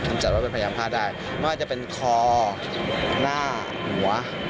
จัดว่าเป็นพยายามฆ่าได้ไม่ว่าจะเป็นคอหน้าหัว